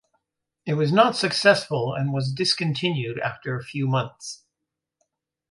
It was not successful and was discontinued after a few months.